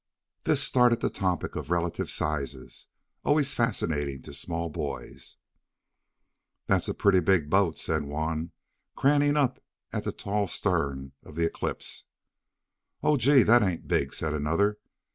This started the topic of relative sizes, always fascinating to small boys. "That's a pretty big boat," said one, craning up at the tall stem of the Eclipse. "Oh, gee, that ain't big!" said another.